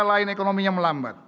negara lain ekonominya melambat